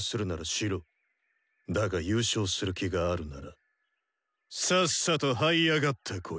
だが優勝する気があるならさっさとはい上がってこい。